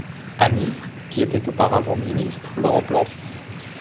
Amir, qui était auparavant ministre, le remplace.